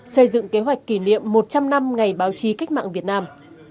xây dựng kế hoạch kỷ niệm một trăm linh năm ngày báo chí cách mạng việt nam